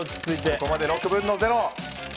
ここまで６分の０。